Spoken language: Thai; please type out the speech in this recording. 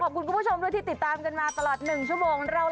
ขอบคุณทุกผู้ชมที่ติดตามกันมา๑ชม